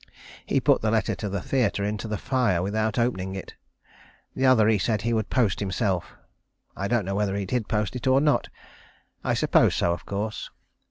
He put the letter to the theatre into the fire without opening it. The other he said he would post himself. I don't know whether he did post it, or not. I suppose so, of course.